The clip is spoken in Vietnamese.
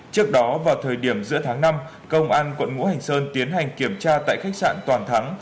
trước đó vào thời điểm giữa tháng năm công an quận ngũ hành sơn tiến hành kiểm tra tại khách sạn toàn thắng